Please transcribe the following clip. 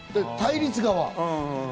対立側。